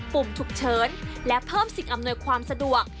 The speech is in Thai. ปุ่มฉุกเฉินและเพิ่มสิ่งอำนวยความสะดวก